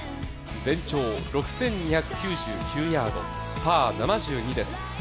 全長６２９９ヤード、パー７２です。